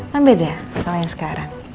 kan beda masalah yang sekarang